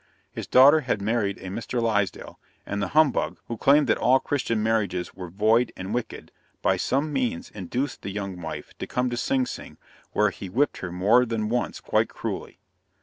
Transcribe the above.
His daughter had married a Mr. Laisdell; and the humbug, who claimed that all Christian marriages were void and wicked, by some means induced the young wife to come to Sing Sing, where he whipped her more than once quite cruelly.